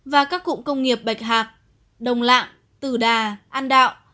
và các cụm công nghiệp bạch hạc đồng lạng tử đà an đạo